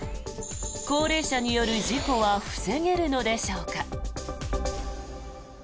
高齢者による事故は防げるのでしょうか。